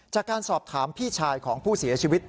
จากการสอบถามพี่ชายของผู้เสียชีวิต